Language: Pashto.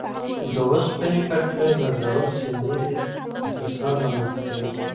د اوسپنې پټلۍ غځول سیمه ییز اتصال رامنځته کوي.